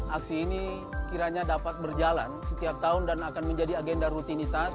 aksi ini kiranya dapat berjalan setiap tahun dan akan menjadi agenda rutinitas